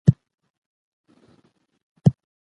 له خلګو څخه ګوښه کېدل يو فکري ناروغي ده.